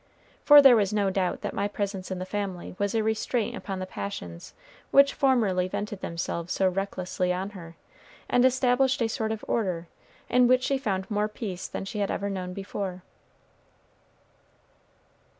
For there was no doubt that my presence in the family was a restraint upon the passions which formerly vented themselves so recklessly on her, and established a sort of order in which she found more peace than she had ever known before.